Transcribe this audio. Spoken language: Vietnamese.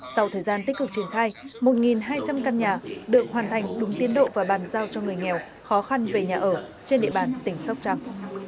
sau thời gian tích cực triển khai một hai trăm linh căn nhà được hoàn thành đúng tiến độ và bàn giao cho người nghèo khó khăn về nhà ở trên địa bàn tỉnh sóc trăng